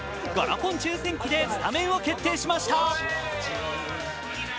ガラポン抽選器でスタメンを決定しました。